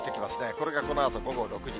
これがこのあと午後６時。